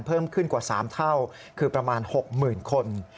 เพิ่มขึ้นกว่า๓เท่าคือประมาณ๖๐๐๐คน